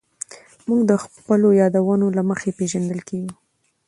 موږ د خپلو یادونو له مخې پېژندل کېږو.